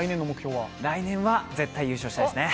来年は絶対優勝したいですね。